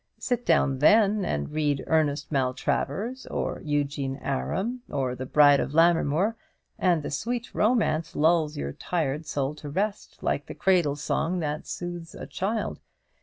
Sit down then and read 'Ernest Maltravers,' or 'Eugene Aram,' or the 'Bride of Lammermoor,' and the sweet romance lulls your tired soul to rest, like the cradle song that soothes a child.